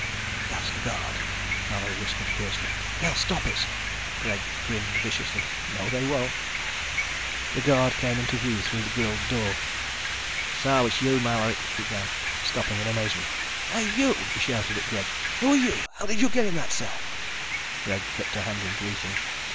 "That's the guard," Mallory whispered fiercely. "They'll stop us." Greg grinned viciously. "No, they won't." The guard came into view through the grilled door. "So it's you, Mallory ..." he began, stopping in amazement. "Hey, you!" he shouted at Greg. "Who are you? How did you get in that cell?" Greg flipped a hand in greeting.